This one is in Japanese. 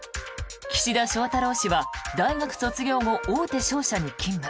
岸田翔太郎氏は大学卒業後大手商社に勤務。